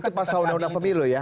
itu pasal undang undang pemilu ya